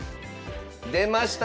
出ました！